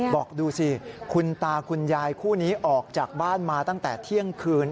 บอกดูสิคุณตาคุณยายคู่นี้ออกจากบ้านมาตั้งแต่เที่ยงคืน